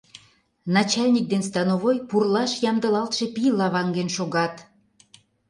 Начальник ден становой пурлаш ямдылалтше пийла ваҥен шогат.